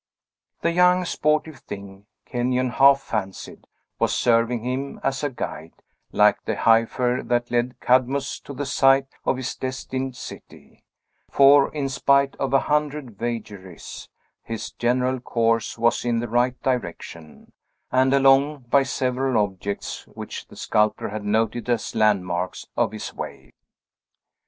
The young, sportive thing, Kenyon half fancied, was serving him as a guide, like the heifer that led Cadmus to the site of his destined city; for, in spite of a hundred vagaries, his general course was in the right direction, and along by several objects which the sculptor had noted as landmarks of his way.